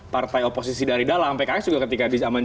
partai oposisi dari dalam pks juga ketika di zaman jaman ini ya